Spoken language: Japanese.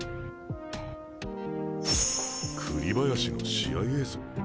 栗林の試合映像？